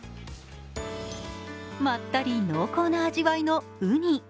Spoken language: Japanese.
まったり濃厚な味わいのうに。